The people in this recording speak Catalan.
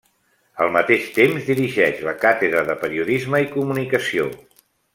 Al mateix temps, dirigeix la Càtedra de Periodisme i Comunicació.